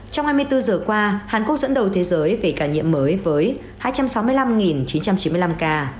trong hai mươi bốn giờ qua hàn quốc dẫn đầu thế giới về ca nhiễm mới với hai trăm sáu mươi năm chín trăm chín mươi năm ca